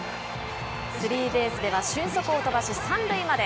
スリーベースでは俊足を飛ばし、３塁まで。